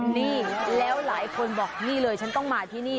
นี่แล้วหลายคนบอกนี่เลยฉันต้องมาที่นี่